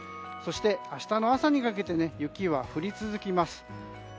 そして、明日の朝にかけて雪は降り続きます。